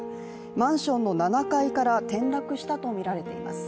マンションの７階から転落したとみられています。